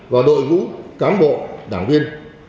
và đội vũ cám bộ đảng viên